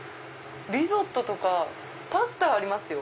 リゾットとかパスタありますよ。